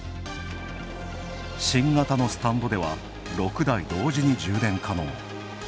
新型のスタンドでは６台同時に充電可能。